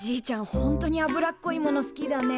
ほんとに脂っこいもの好きだね。